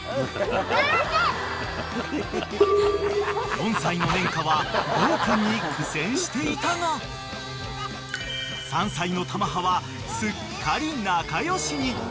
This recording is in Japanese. ［４歳の然花はごう君に苦戦していたが３歳の珠葉はすっかり仲良しに］